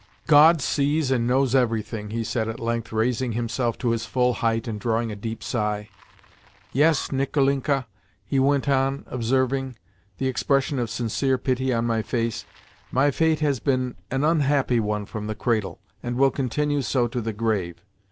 "God sees and knows everything," he said at length, raising himself to his full height and drawing a deep sigh. "Yes, Nicolinka," he went on, observing, the expression of sincere pity on my face, "my fate has been an unhappy one from the cradle, and will continue so to the grave.